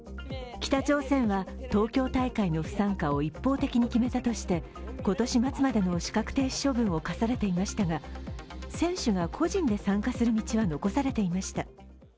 北朝鮮は東京大会の不参加を一方的に決めたとして今年末までの資格停止処分を科されていましたが選手が個人で参加する道は残されていました。